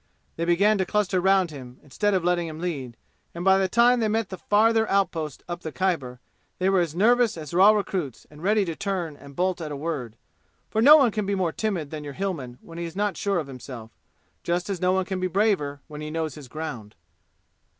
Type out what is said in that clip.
They began to cluster round him instead of letting him lead, and by the time they met the farthest outposts up the Khyber they were as nervous as raw recruits and ready to turn and bolt at a word for no one can be more timid than your Hillman when he is not sure of himself, just as no one can be braver when he knows his ground.